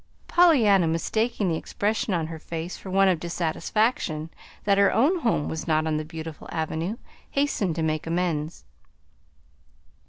Pollyanna, mistaking the expression on her face for one of dissatisfaction that her own home was not on the beautiful Avenue, hastened to make amends.